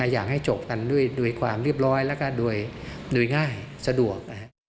อยากให้จบกันด้วยความเรียบร้อยแล้วก็โดยง่ายสะดวก